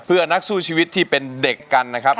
เพื่อนักสู้ชีวิตที่เป็นเด็กกันนะครับ